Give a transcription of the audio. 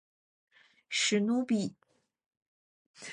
史努比。